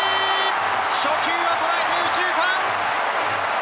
初球を捉えて右中間。